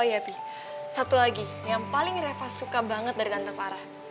oh iya pi satu lagi yang paling reva suka banget dari tante farah